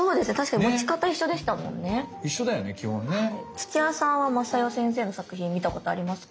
土屋さんはＭａｓａｙｏ先生の作品見たことありますか？